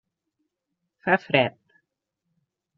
Fa fred.